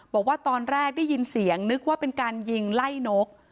บอกว่าตอนแรกได้ยินเสียงนึกว่าเป็นการยิงไล่นก